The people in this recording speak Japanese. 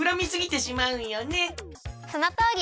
そのとおり！